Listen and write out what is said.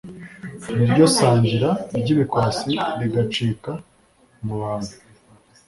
n’iryo sangira ry’ibikwasi rigacika mu bantu